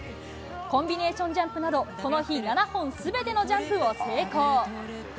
コンビネーションジャンプなど、この日７本すべてのジャンプを成功。